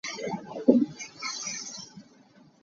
Thlitu pheng nih kan inn a phenh khawh.